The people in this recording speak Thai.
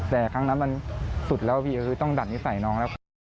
แต่ครั้งนั้นมันสุดแล้วพี่ก็คือต้องดัดนิสัยน้องแล้ว